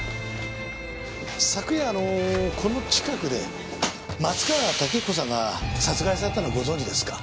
昨夜この近くで松川竹彦さんが殺害されたのはご存じですか？